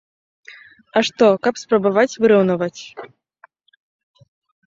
А што, каб спрабаваць выраўнаваць.